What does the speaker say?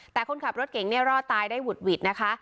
แต่คนขับรถเก่งเนี่ยรอดตายได้หุดหวิดนะคะ